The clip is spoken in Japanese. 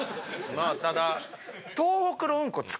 まぁただ。